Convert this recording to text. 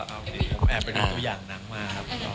เอาทีเป็นสองอย่างหนังมา